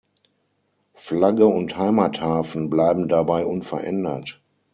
Flagge und Heimathafen blieben dabei unverändert.